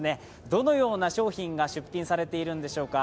どのような商品が出品されているんでしょうか。